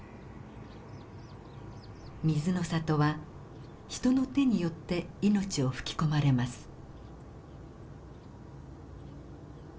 水の里は人の手によって命を吹き込まれます。